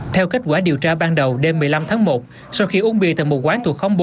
theo kết quả điều tra ban đầu đêm một mươi năm tháng một sau khi uống bia tại một quán thuộc khóm bốn